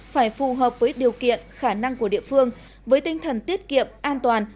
phải phù hợp với điều kiện khả năng của địa phương với tinh thần tiết kiệm an toàn